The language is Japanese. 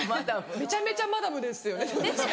めちゃめちゃマダムですよね。